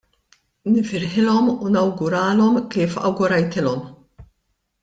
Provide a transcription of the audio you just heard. Nifirħilhom u nawguralhom kif awgurajtilhom.